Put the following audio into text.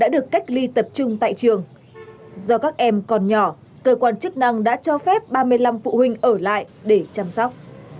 do các em còn nhỏ cơ quan chức năng đã cho phép ba mươi năm phụ huynh ở lại để chăm sóc